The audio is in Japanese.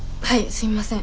すみません。